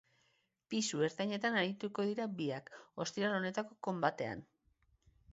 Pisu ertainetan arituko dira biak ostiral honetako konbatean.